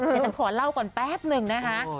เราเล่าก่อนแป๊บหนึ่งนะฮะ